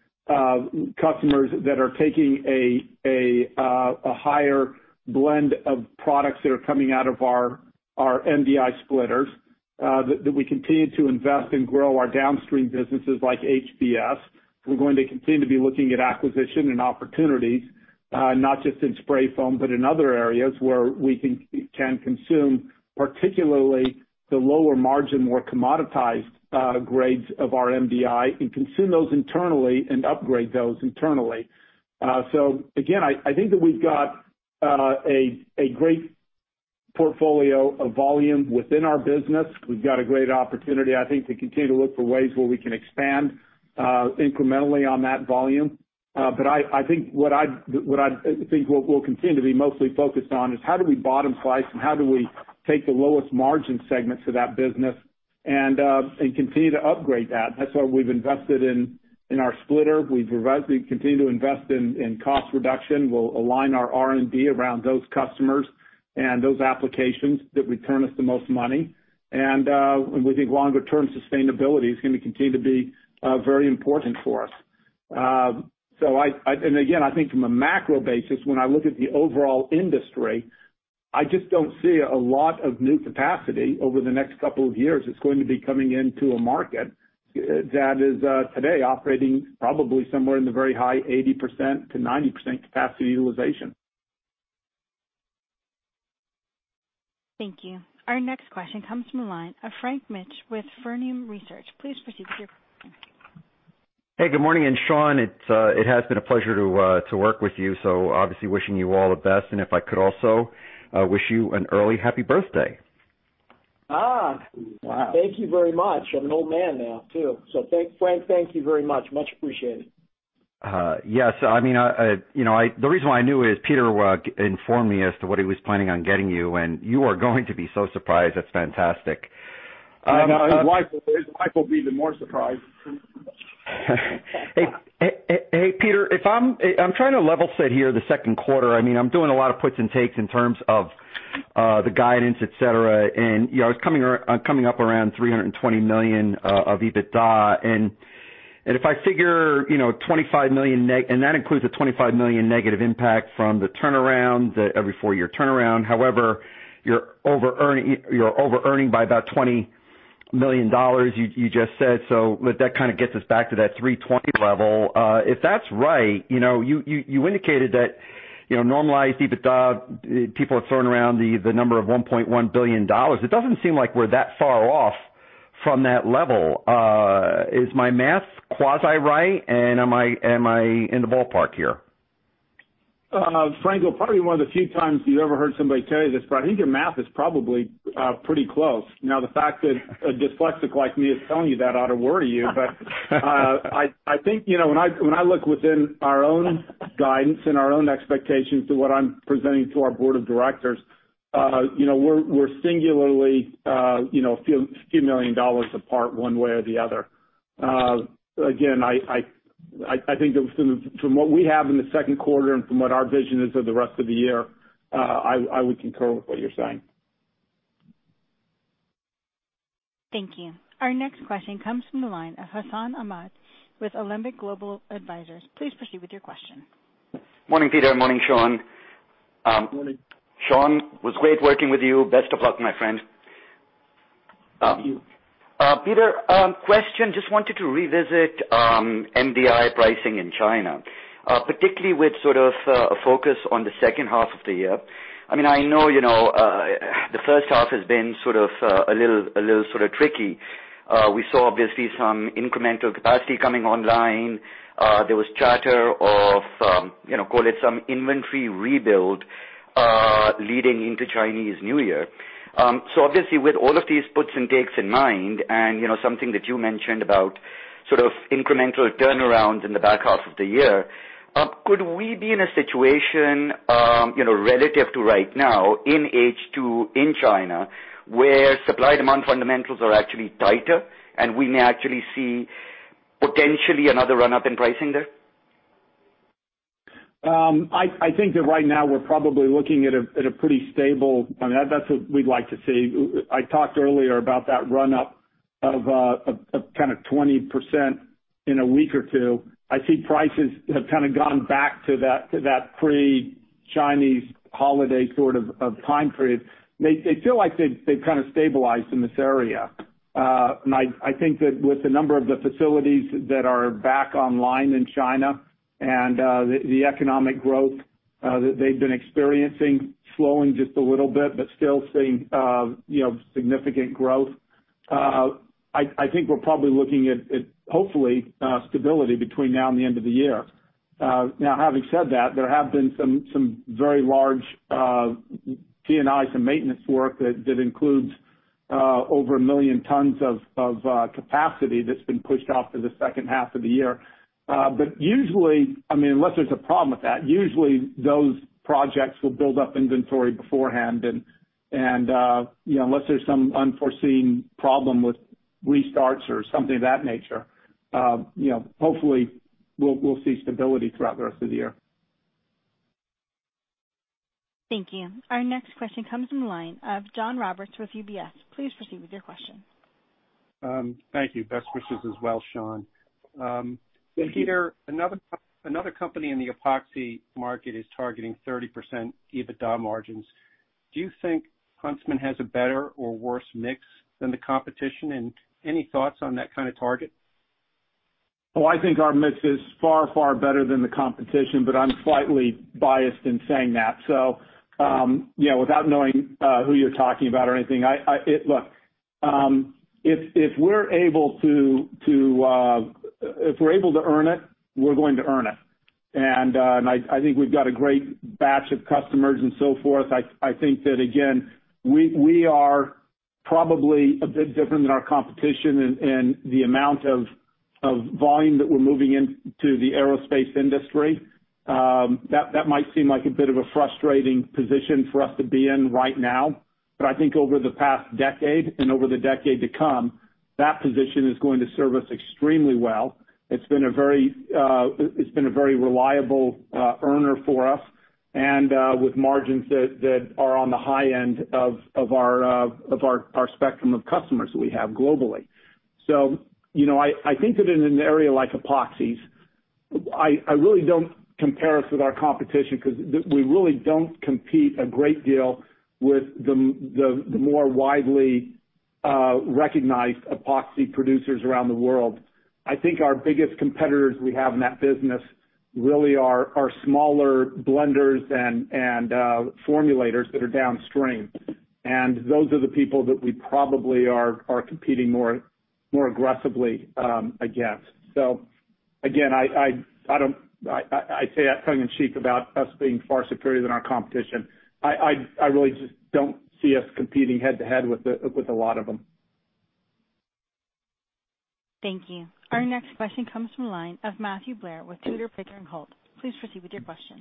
customers that are taking a higher blend of products that are coming out of our MDI splitters, that we continue to invest and grow our downstream businesses like HBS. We're going to continue to be looking at acquisition and opportunities, not just in spray foam, but in other areas where we can consume, particularly the lower margin, more commoditized grades of our MDI and consume those internally and upgrade those internally. Again, I think that we've got a great portfolio of volume within our business. We've got a great opportunity, I think, to continue to look for ways where we can expand incrementally on that volume. I think what we'll continue to be mostly focused on is how do we bottom slice and how do we take the lowest margin segments of that business and continue to upgrade that. That's why we've invested in our splitter. We continue to invest in cost reduction. We'll align our R&D around those customers and those applications that return us the most money. We think longer-term sustainability is going to continue to be very important for us. Again, I think from a macro basis, when I look at the overall industry, I just don't see a lot of new capacity over the next couple of years that's going to be coming into a market that is today operating probably somewhere in the very high 80%-90% capacity utilization. Thank you. Our next question comes from the line of Frank Mitsch with Fermium Research. Please proceed with your question. Hey, good morning. Sean, it has been a pleasure to work with you. Obviously wishing you all the best. If I could also wish you an early happy birthday. Wow. Thank you very much. I'm an old man now too. Frank, thank you very much. Much appreciated. Yes. The reason why I knew is Peter informed me as to what he was planning on getting you. You are going to be so surprised. That's fantastic. I know his wife will be even more surprised. Hey, Peter, I'm trying to level set here the second quarter. I'm doing a lot of puts and takes in terms of the guidance, et cetera, I was coming up around $320 million of EBITDA. If I figure $25 million, and that includes a $25 million negative impact from the turnaround, the every four-year turnaround. However, you're over-earning by about $20 million you just said. That kind of gets us back to that $320 million level. If that's right, you indicated that normalized EBITDA, people are throwing around the number of $1.1 billion. It doesn't seem like we're that far off from that level. Is my math quasi right and am I in the ballpark here? Frank, well, probably one of the few times you ever heard somebody tell you this. I think your math is probably pretty close. Now, the fact that a dyslexic like me is telling you that ought to worry you. I think when I look within our own guidance and our own expectations to what I'm presenting to our board of directors, we're singularly a few million dollars apart one way or the other. Again, I think that from what we have in the second quarter and from what our vision is of the rest of the year, I would concur with what you're saying. Thank you. Our next question comes from the line of Hassan Ahmed with Alembic Global Advisors. Please proceed with your question. Morning, Peter. Morning, Sean. Morning. Sean, it was great working with you. Best of luck, my friend. Thank you. Peter, question, just wanted to revisit MDI pricing in China, particularly with sort of a focus on the second half of the year. I know the first half has been a little sort of tricky. We saw obviously some incremental capacity coming online. There was chatter of call it some inventory rebuild, leading into Chinese New Year. Obviously with all of these puts and takes in mind and something that you mentioned about sort of incremental turnarounds in the back half of the year, could we be in a situation relative to right now in H2 in China, where supply demand fundamentals are actually tighter and we may actually see potentially another run-up in pricing there? I think that right now we're probably looking at a pretty stable. That's what we'd like to see. I talked earlier about that run-up of kind of 20% in a week or two. I see prices have kind of gone back to that pre-Chinese holiday sort of time period. They feel like they've kind of stabilized in this area. I think that with the number of the facilities that are back online in China and the economic growth that they've been experiencing slowing just a little bit but still seeing significant growth, I think we're probably looking at hopefully stability between now and the end of the year. Now, having said that, there have been some very large T&Is and maintenance work that includes over a million tons of capacity that's been pushed off to the second half of the year. Usually, unless there's a problem with that, usually those projects will build up inventory beforehand and unless there's some unforeseen problem with restarts or something of that nature. Hopefully, we'll see stability throughout the rest of the year. Thank you. Our next question comes from the line of John Roberts with UBS. Please proceed with your question. Thank you. Best wishes as well, Sean. Peter, another company in the epoxy market is targeting 30% EBITDA margins. Do you think Huntsman has a better or worse mix than the competition, and any thoughts on that kind of target? Well, I think our mix is far, far better than the competition. I'm slightly biased in saying that. Without knowing who you're talking about or anything. Look, if we're able to earn it, we're going to earn it. I think we've got a great batch of customers and so forth. I think that again, we are probably a bit different than our competition in the amount of volume that we're moving into the aerospace industry. That might seem like a bit of a frustrating position for us to be in right now. I think over the past decade and over the decade to come, that position is going to serve us extremely well. It's been a very reliable earner for us, with margins that are on the high end of our spectrum of customers we have globally. I think that in an area like epoxies, I really don't compare us with our competition because we really don't compete a great deal with the more widely recognized epoxy producers around the world. I think our biggest competitors we have in that business really are smaller blenders and formulators that are downstream. Those are the people that we probably are competing more aggressively against. Again, I say that tongue in cheek about us being far superior than our competition. I really just don't see us competing head-to-head with a lot of them. Thank you. Our next question comes from the line of Matthew Blair with Tudor, Pickering, Holt & Co. Please proceed with your question.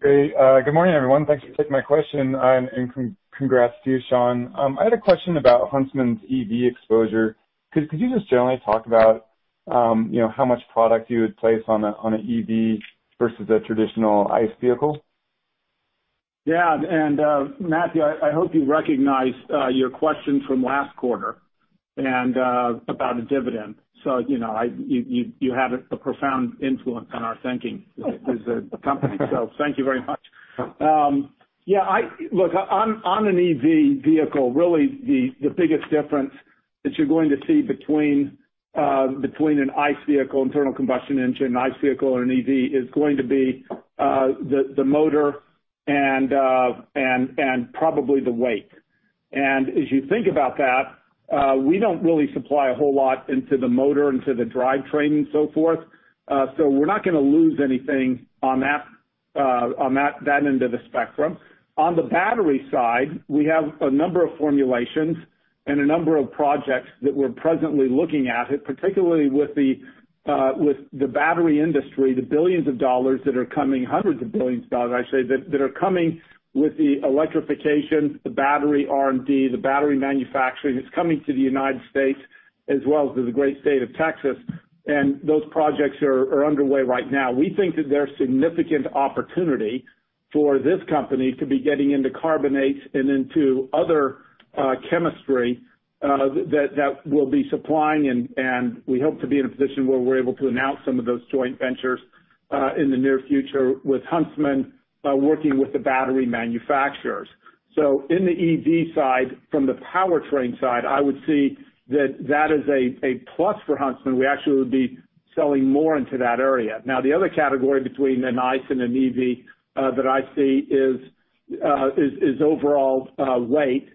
Great. Good morning, everyone. Thanks for taking my question, and congrats to you, Sean. I had a question about Huntsman's EV exposure. Could you just generally talk about how much product you would place on an EV versus a traditional ICE vehicle? Yeah. Matthew, I hope you recognize your question from last quarter about a dividend. You have a profound influence on our thinking as a company. Thank you very much. Look, on an EV vehicle, really, the biggest difference that you're going to see between an ICE vehicle, internal combustion engine, an ICE vehicle, and an EV is going to be the motor and probably the weight. As you think about that, we don't really supply a whole lot into the motor, into the drivetrain, and so forth. We're not going to lose anything on that end of the spectrum. On the battery side, we have a number of formulations and a number of projects that we're presently looking at, particularly with the battery industry, the billions of dollars that are coming, hundreds of billions, I should say, that are coming with the electrification, the battery R&D, the battery manufacturing, that's coming to the U.S. as well as to the great state of Texas, and those projects are underway right now. We think that there's significant opportunity for this company to be getting into carbonates and into other chemistry that we'll be supplying, and we hope to be in a position where we're able to announce some of those joint ventures in the near future with Huntsman working with the battery manufacturers. In the EV side, from the powertrain side, I would see that that is a plus for Huntsman. We actually would be selling more into that area. The other category between an ICE and an EV that I see is overall weight.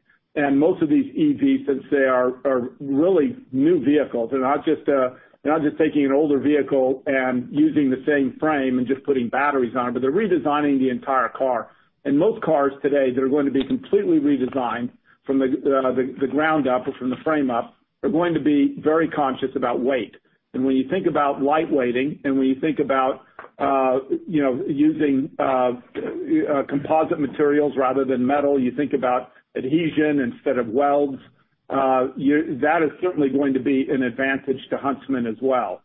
Most of these EVs, since they are really new vehicles, they're not just taking an older vehicle and using the same frame and just putting batteries on, but they're redesigning the entire car. Most cars today that are going to be completely redesigned from the ground up or from the frame up are going to be very conscious about weight. When you think about light weighting, and when you think about using composite materials rather than metal, you think about adhesion instead of welds, that is certainly going to be an advantage to Huntsman as well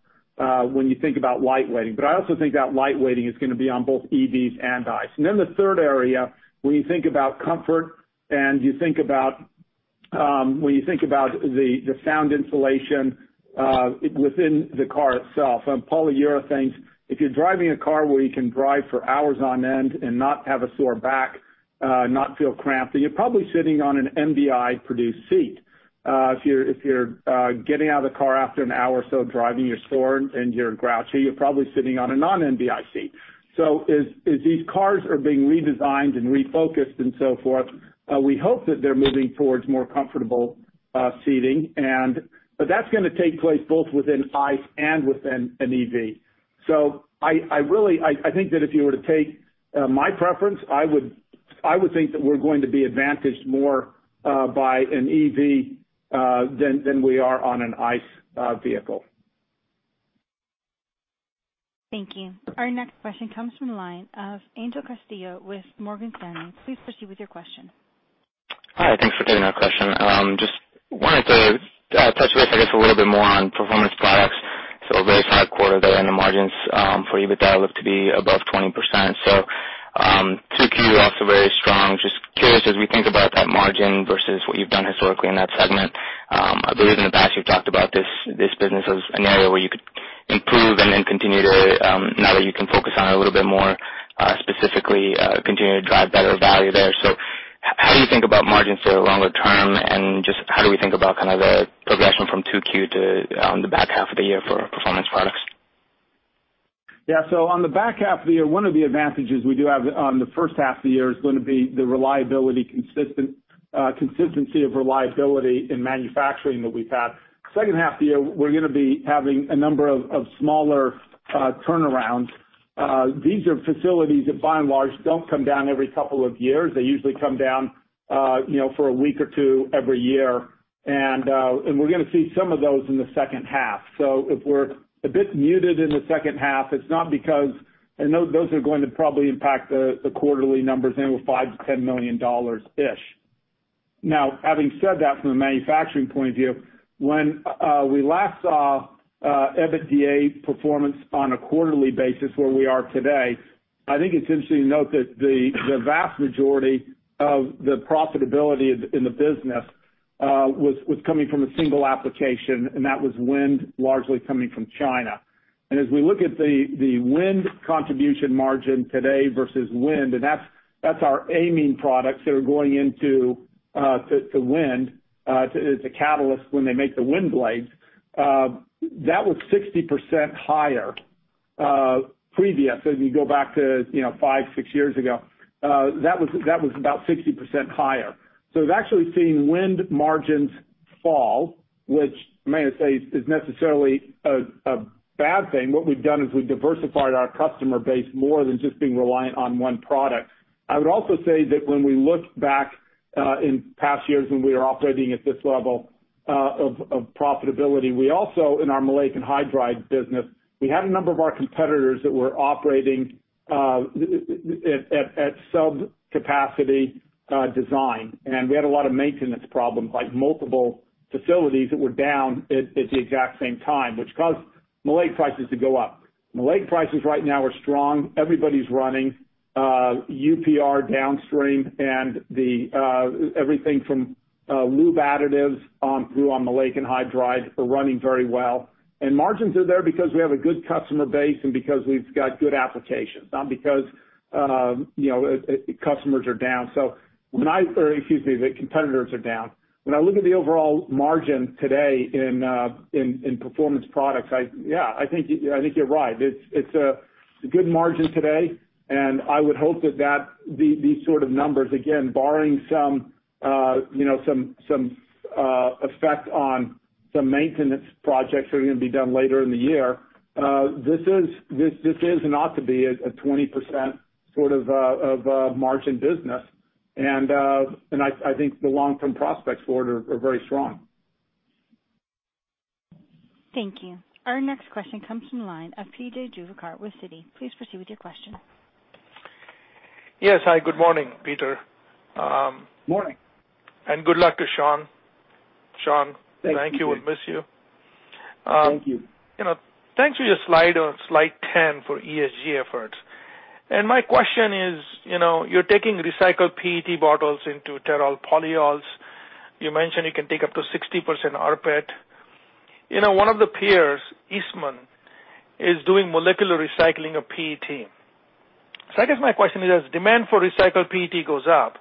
when you think about light weighting. I also think that light weighting is going to be on both EVs and ICE. The third area, when you think about comfort and you think about the sound insulation within the car itself, polyurethanes, if you're driving a car where you can drive for hours on end and not have a sore back, not feel cramped, then you're probably sitting on an MDI-produced seat. If you're getting out of the car after an hour or so of driving, you're sore and you're grouchy, you're probably sitting on a non-MDI seat. As these cars are being redesigned and refocused and so forth, we hope that they're moving towards more comfortable seating. That's going to take place both within ICE and within an EV. I think that if you were to take my preference, I would think that we're going to be advantaged more by an EV than we are on an ICE vehicle. Thank you. Our next question comes from the line of Angel Castillo with Morgan Stanley. Please proceed with your question. Hi, thanks for taking our question. Just wanted to touch base, I guess, a little bit more on Performance Products. A very strong quarter there, and the margins for EBITDA look to be above 20%. 2Q also very strong. Just curious, as we think about that margin versus what you've done historically in that segment. I believe in the past you've talked about this business as an area where you could improve and then continue to, now that you can focus on it a little bit more specifically, continue to drive better value there. How do you think about margins for the longer term, and just how do we think about kind of the progression from 2Q to the back half of the year for Performance Products? On the back half of the year, one of the advantages we do have on the first half of the year is going to be the consistency of reliability in manufacturing that we've had. Second half of the year, we're going to be having a number of smaller turnarounds. These are facilities that by and large don't come down every couple of years. They usually come down for a week or two every year. We're going to see some of those in the second half. If we're a bit muted in the second half, those are going to probably impact the quarterly numbers anywhere $5 million-$10 million-ish. Having said that, from a manufacturing point of view, when we last saw EBITDA performance on a quarterly basis where we are today, I think it's interesting to note that the vast majority of the profitability in the business was coming from a single application, and that was wind largely coming from China. As we look at the wind contribution margin today versus wind, and that's our amine products that are going into wind as a catalyst when they make the wind blades. That was 60% higher. Previous, as you go back to five, six years ago, that was about 60% higher. We've actually seen wind margins fall, which I may say is necessarily a bad thing. What we've done is we've diversified our customer base more than just being reliant on one product. I would also say that when we look back in past years when we were operating at this level of profitability, we also, in our maleic anhydride business, we had a number of our competitors that were operating at sub-capacity design, and we had a lot of maintenance problems, like multiple facilities that were down at the exact same time, which caused maleic prices to go up. Maleic prices right now are strong. Everybody's running UPR downstream and everything from lube additives through on maleic anhydride are running very well. Margins are there because we have a good customer base and because we've got good applications, not because customers are down. The competitors are down. When I look at the overall margin today in Performance Products, yeah, I think you're right. It's a good margin today. I would hope that these sort of numbers, again, barring some effect on some maintenance projects that are going to be done later in the year, this is and ought to be a 20% sort of margin business. I think the long-term prospects for it are very strong. Thank you. Our next question comes from the line of P.J. Juvekar with Citi. Please proceed with your question. Yes. Hi, good morning, Peter. Morning. Good luck to Sean. Sean, thank you. We'll miss you. Thank you. Thanks for your slide on slide 10 for ESG efforts. My question is, you're taking recycled PET bottles into terephthalate polyols. You mentioned you can take up to 60% rPET. One of the peers, Eastman, is doing molecular recycling of PET. I guess my question is, as demand for recycled PET goes up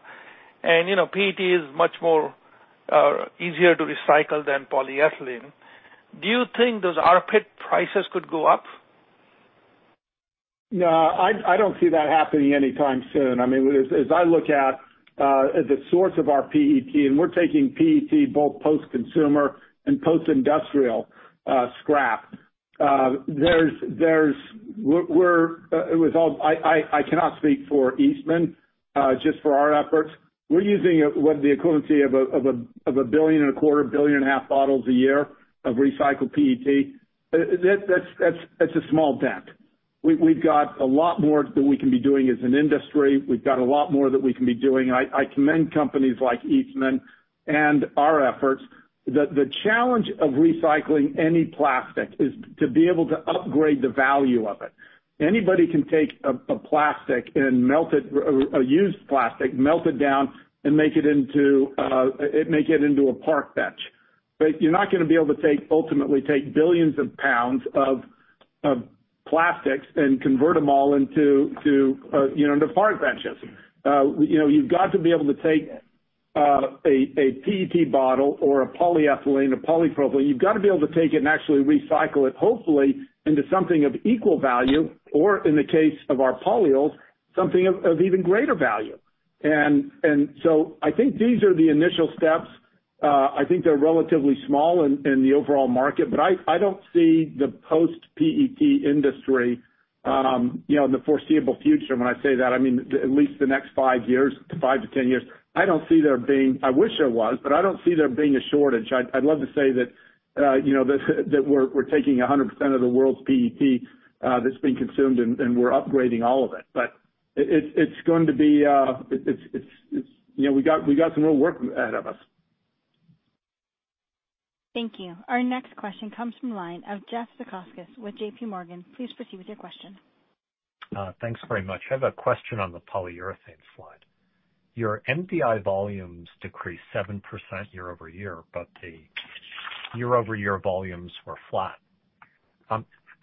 and, PET is much more easier to recycle than polyethylene, do you think those rPET prices could go up? No, I don't see that happening anytime soon. As I look at the source of our PET, and we're taking PET both post-consumer and post-industrial scrap. I cannot speak for Eastman, just for our efforts. We're using what the equivalency of a billion and a quarter, a billion and a half bottles a year of recycled PET. That's a small dent. We've got a lot more that we can be doing as an industry. We've got a lot more that we can be doing. I commend companies like Eastman and our efforts. The challenge of recycling any plastic is to be able to upgrade the value of it. Anybody can take a plastic and melt it, a used plastic, melt it down and make it into a park bench. You're not going to be able to ultimately take billions of pounds of plastics and convert them all into park benches. You've got to be able to take a PET bottle or a polyethylene, a polypropylene. You've got to be able to take it and actually recycle it, hopefully, into something of equal value, or in the case of our polyols, something of even greater value. I think these are the initial steps. I think they're relatively small in the overall market, but I don't see the post-PET industry in the foreseeable future. When I say that, I mean at least the next five years to 5-10 years. I wish there was, but I don't see there being a shortage. I'd love to say that we're taking 100% of the world's PET that's being consumed and we're upgrading all of it. We got some real work ahead of us. Thank you. Our next question comes from the line of Jeff Zekauskas with JPMorgan. Please proceed with your question. Thanks very much. I have a question on the Polyurethanes slide. Your MDI volumes decreased 7% year-over-year, but the year-over-year volumes were flat.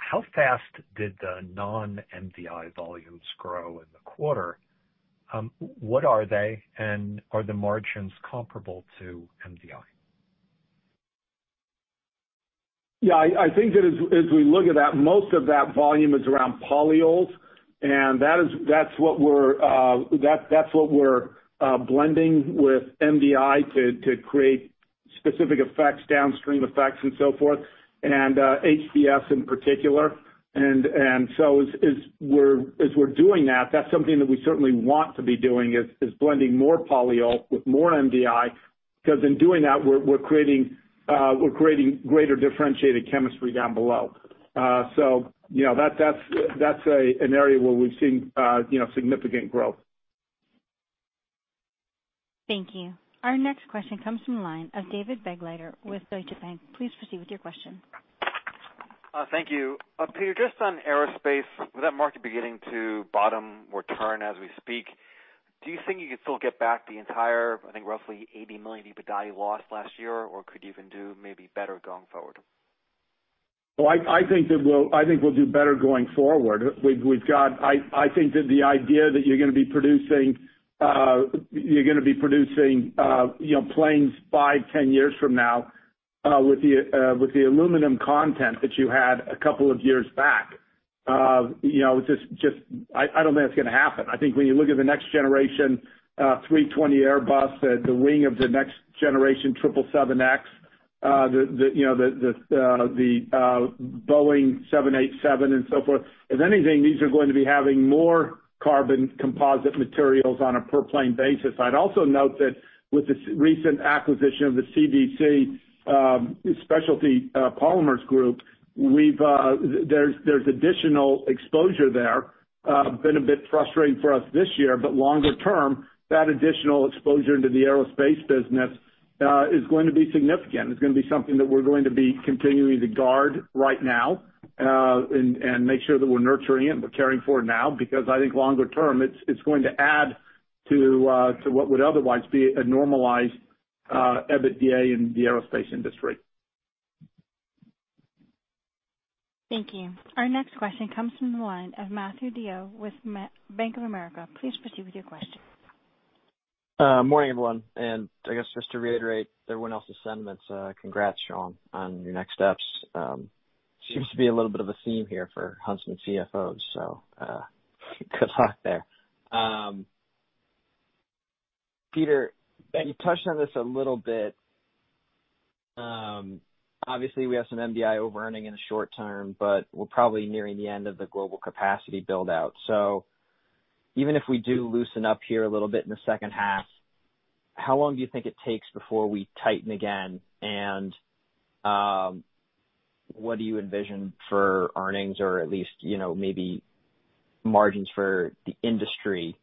How fast did the non-MDI volumes grow in the quarter? What are they, and are the margins comparable to MDI? Yeah, I think that as we look at that, most of that volume is around polyols, and that's what we're blending with MDI to create specific effects, downstream effects, and so forth, and HBS in particular. As we're doing that's something that we certainly want to be doing, is blending more polyol with more MDI, because in doing that, we're creating greater differentiated chemistry down below. That's an area where we've seen significant growth. Thank you. Our next question comes from the line of David Begleiter with Deutsche Bank. Please proceed with your question. Thank you. Peter, just on aerospace, with that market beginning to bottom or turn as we speak, do you think you could still get back the entire, I think, roughly $80 million EBITDA you lost last year? Or could you even do maybe better going forward? Well, I think we'll do better going forward. I think that the idea that you're going to be producing planes five, 10 years from now with the aluminum content that you had a couple of years back, I don't think it's going to happen. I think when you look at the next generation A320 Airbus, the wing of the next generation 777X, the Boeing 787 and so forth, if anything, these are going to be having more carbon composite materials on a per plane basis. I'd also note that with the recent acquisition of the CVC Thermoset Specialties, there's additional exposure there. It has been a bit frustrating for us this year, longer term, that additional exposure into the aerospace business is going to be significant. It's going to be something that we're going to be continuing to guard right now, and make sure that we're nurturing it and we're caring for it now, because I think longer term, it's going to add to what would otherwise be a normalized EBITDA in the aerospace industry. Thank you. Our next question comes from the line of Matthew DeYoe with Bank of America. Please proceed with your question. Morning, everyone. I guess just to reiterate everyone else's sentiments, congrats, Sean, on your next steps. Seems to be a little bit of a theme here for Huntsman CFOs, good luck there. Peter, you touched on this a little bit. Obviously, we have some MDI over-earning in the short term, we're probably nearing the end of the global capacity build-out. Even if we do loosen up here a little bit in the second half, how long do you think it takes before we tighten again? What do you envision for earnings or at least maybe margins for the industry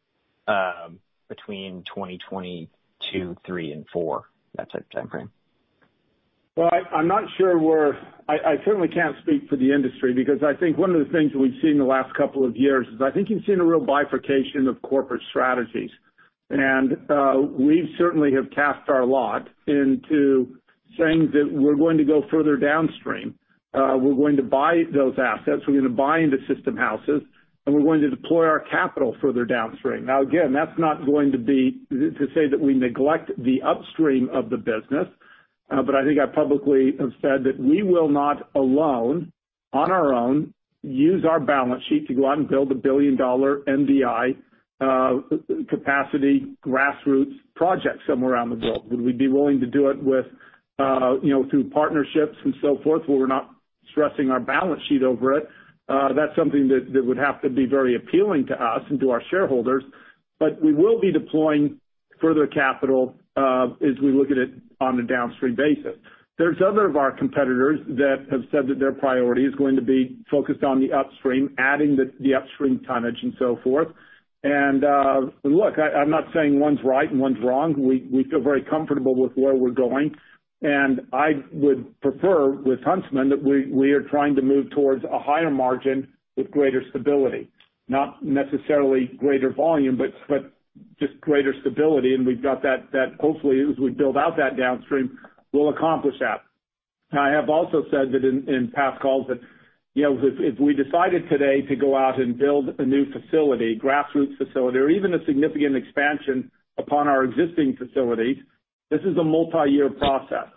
between 2022, 2023, and 2024? That type of timeframe. Well, I certainly can't speak for the industry because I think one of the things that we've seen in the last couple of years is I think you've seen a real bifurcation of corporate strategies. We certainly have cast our lot into saying that we're going to go further downstream. We're going to buy those assets, we're going to buy into system houses, and we're going to deploy our capital further downstream. Now, again, that's not to say that we neglect the upstream of the business. I think I publicly have said that we will not alone, on our own, use our balance sheet to go out and build a billion-dollar MDI capacity grassroots project somewhere around the globe. Would we be willing to do it through partnerships and so forth, where we're not stressing our balance sheet over it? That's something that would have to be very appealing to us and to our shareholders. We will be deploying further capital, as we look at it on a downstream basis. There's other of our competitors that have said that their priority is going to be focused on the upstream, adding the upstream tonnage and so forth. Look, I'm not saying one's right and one's wrong. We feel very comfortable with where we're going, and I would prefer with Huntsman that we are trying to move towards a higher margin with greater stability, not necessarily greater volume, but just greater stability, and hopefully, as we build out that downstream, we'll accomplish that. Now, I have also said in past calls that if we decided today to go out and build a new facility, grassroots facility, or even a significant expansion upon our existing facilities, this is a multi-year process.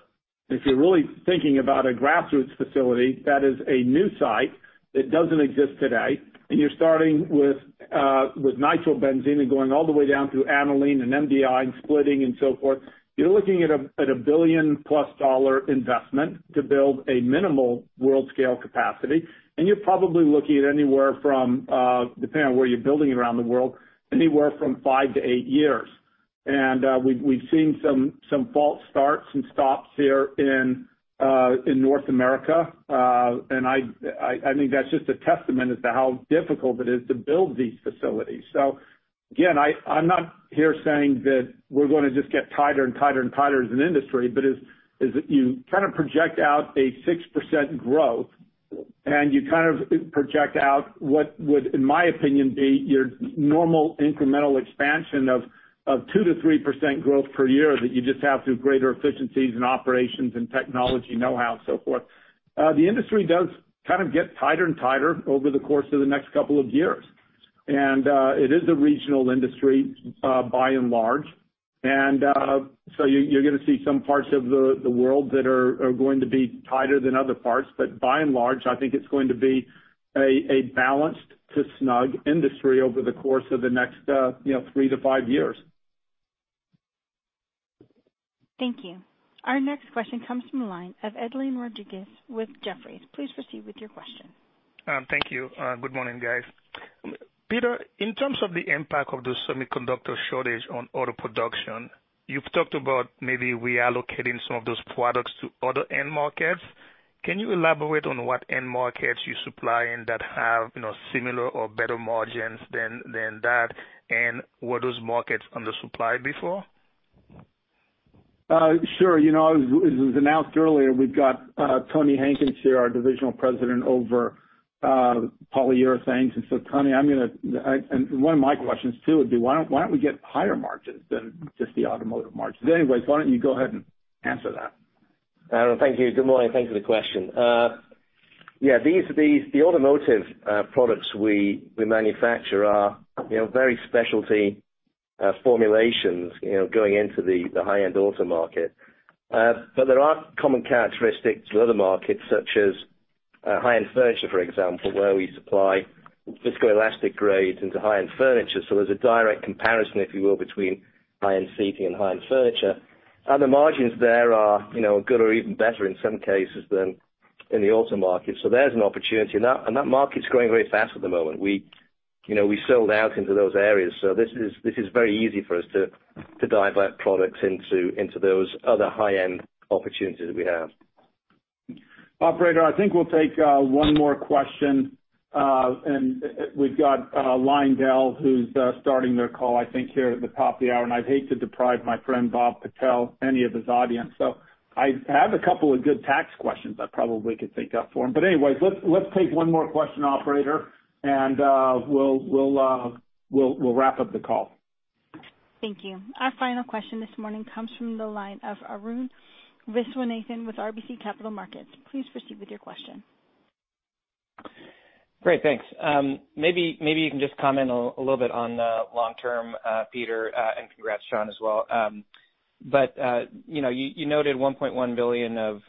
If you're really thinking about a grassroots facility that is a new site that doesn't exist today, and you're starting with nitrobenzene and going all the way down through aniline and MDI and splitting and so forth, you're looking at a billion-plus dollar investment to build a minimal world-scale capacity. You're probably looking at anywhere from, depending on where you're building around the world, anywhere from five to eight years. We've seen some false starts and stops here in North America. I think that's just a testament as to how difficult it is to build these facilities. Again, I'm not here saying that we're going to just get tighter and tighter and tighter as an industry, but as you project out a 6% growth and you project out what would, in my opinion, be your normal incremental expansion of 2%-3% growth per year that you just have through greater efficiencies in operations and technology knowhow and so forth. The industry does get tighter and tighter over the course of the next couple of years. It is a regional industry, by and large. You're going to see some parts of the world that are going to be tighter than other parts, but by and large, I think it's going to be a balanced to snug industry over the course of the next three to five years. Thank you. Our next question comes from the line of Edwin Rodriguez with Jefferies. Please proceed with your question. Thank you. Good morning, guys. Peter, in terms of the impact of the semiconductor shortage on auto production, you've talked about maybe reallocating some of those products to other end markets. Can you elaborate on what end markets you supply in that have similar or better margins than that? Were those markets undersupplied before? Sure. As was announced earlier, we've got Tony Hankins here, our divisional President over Polyurethanes. Tony, one of my questions too would be, why don't we get higher margins than just the automotive margins? Anyways, why don't you go ahead and answer that? Thank you. Good morning. Thank you for the question. The automotive products we manufacture are very specialty formulations going into the high-end auto market. There are common characteristics to other markets, such as high-end furniture, for example, where we supply viscoelastic grades into high-end furniture. The margins there are good or even better in some cases than in the auto market. There's an opportunity. That market's growing very fast at the moment. We sold out into those areas, this is very easy for us to divert products into those other high-end opportunities we have. Operator, I think we'll take one more question. We've got LyondellBasell, who's starting their call, I think, here at the top of the hour, and I'd hate to deprive my friend Bob Patel any of his audience. I have a couple of good tax questions I probably could take up for him. Anyways, let's take one more question, operator, and we'll wrap up the call. Thank you. Our final question this morning comes from the line of Arun Viswanathan with RBC Capital Markets. Please proceed with your question. Great, thanks. Maybe you can just comment a little bit on the long term, Peter, and congrats, Sean, as well. You noted $1.1 billion of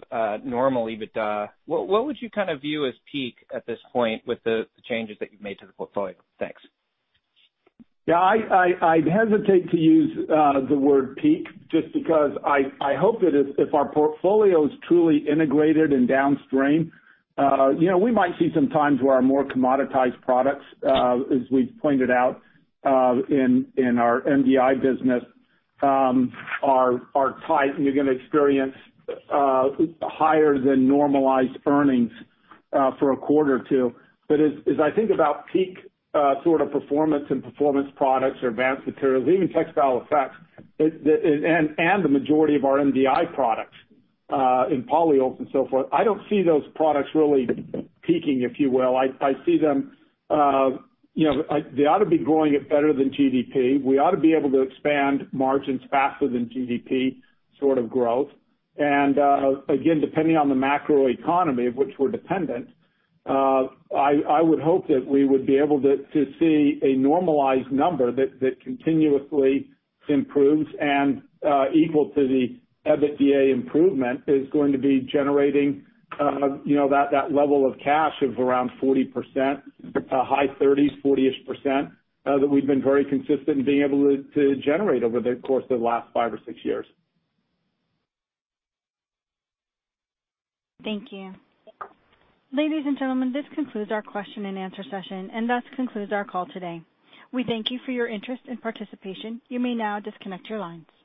normal EBITDA. What would you view as peak at this point with the changes that you've made to the portfolio? Thanks. Yeah, I hesitate to use the word peak just because I hope that if our portfolio is truly integrated and downstream, we might see some times where our more commoditized products, as we've pointed out in our MDI business, are tight, and you're going to experience higher than normalized earnings for a quarter or two. But as I think about peak sort of performance in Performance Products or Advanced Materials, even Textile Effects, and the majority of our MDI products in polyols and so forth, I don't see those products really peaking, if you will. They ought to be growing at better than GDP. We ought to be able to expand margins faster than GDP sort of growth. Again, depending on the macroeconomy of which we're dependent, I would hope that we would be able to see a normalized number that continuously improves, and equal to the EBITDA improvement is going to be generating that level of cash of around 40%, high 30%s, 40%-ish, that we've been very consistent in being able to generate over the course of the last five or six years. Thank you. Ladies and gentlemen, this concludes our question and answer session, and thus concludes our call today. We thank you for your interest and participation. You may now disconnect your lines.